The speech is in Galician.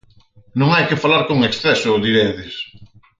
Non hai que falar con exceso, diredes.